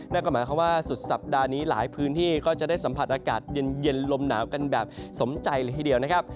นั่นก็หมายความว่าสุดสัปดาห์นี้หลายพื้นที่ก็จะได้สัมผัสอากาศเย็นลมหนาวกันแบบสมใจเลยทีเดียวนะครับ